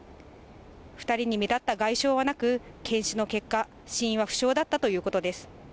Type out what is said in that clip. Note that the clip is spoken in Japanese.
２人に目立った外傷はなく、検視の結果、死因は不詳だったということです。